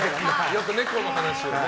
よく猫の話をね。